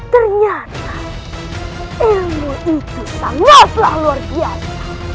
ternyata ilmu itu sangatlah luar biasa